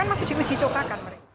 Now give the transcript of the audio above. masih juga dicokakan